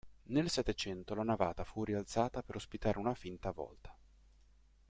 Nel Settecento la navata fu rialzata per ospitare una finta volta.